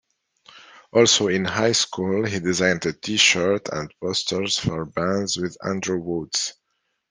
Also in high school, he designed T-shirts and posters for bands with Andrew Wood.